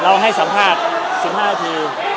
เราได้สัมภาษณ์๑๕ที